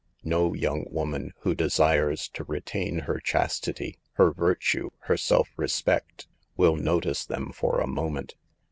No young woman, who desires to retain her chastity, her virtue, her self respect, will notice them for a moment.